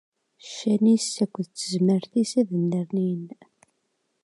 Ccan-is akked tezmert-is ad nnernin.